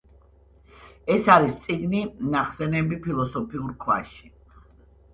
ეს არის წიგნი, ნახსენები „ფილოსოფიურ ქვაში“.